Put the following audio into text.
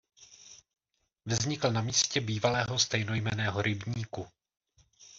Vznikl na místě bývalého stejnojmenného rybníku.